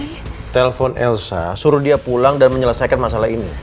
kita telpon elsa suruh dia pulang dan menyelesaikan masalah ini